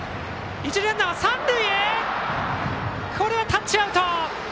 一塁ランナー、三塁へ行ったがタッチアウト！